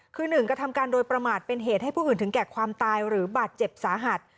คือ๑กระทำการโดยประมาทเป็นเหตุให้ผู้อื่นถึงแก่ความตายหรือบาดเจ็บสาหัส